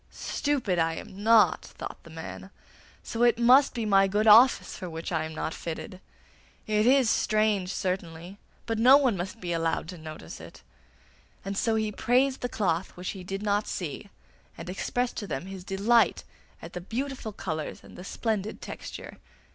'Stupid I am not!' thought the man, 'so it must be my good office for which I am not fitted. It is strange, certainly, but no one must be allowed to notice it.' And so he praised the cloth which he did not see, and expressed to them his delight at the beautiful colours and the splendid texture.